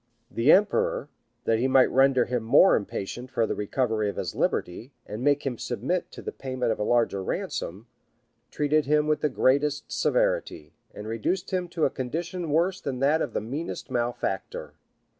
The emperor, that he might render him more impatient for the recovery of his liberty, and make him submit to the payment of a larger ransom, treated him with the greatest severity, and reduced him to a condition worse than that of the meanest malefactor.